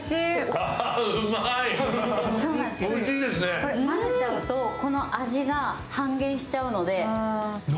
これ混ぜちゃうと、この味が半減しちゃうので。